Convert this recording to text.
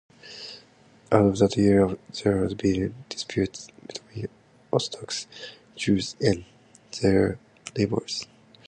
As of that year there had been disputes between Orthodox Jews and their neighbors.